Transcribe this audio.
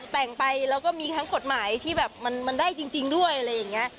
แต่งไปแล้วก็มีทั้งกฎหมายที่แบบมันได้จริงด้วยอะไรอย่างนี้